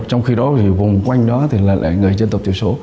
trong khi đó thì vùng quanh đó thì là người dân tộc thiểu số